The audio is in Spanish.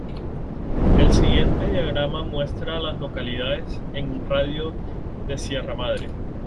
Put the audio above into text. El siguiente diagrama muestra a las Localidad en un radio de de Sierra Madre.